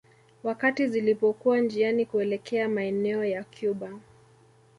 Wakati zilipokuwa njiani kuelekea maeneo ya Cuba